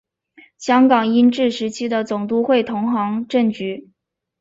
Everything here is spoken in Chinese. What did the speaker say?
香港英治时期的总督会同行政局。